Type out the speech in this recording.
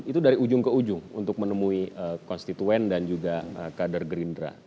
itu dari ujung ke ujung untuk menemui konstituen dan juga kader gerindra